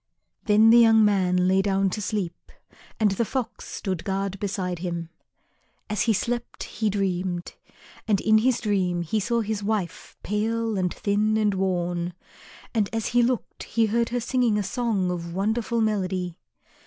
Then the young man lay down to sleep and the Fox stood guard beside him. As he slept he dreamed. And in his dream he saw his wife pale and thin and worn, and as he looked he heard her singing a song of wonderful melody.